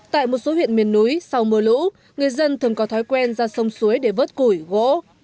tại một số huyện miền núi sau mưa lũ người dân thường có thói quen ra sông suối để vớt củi gỗ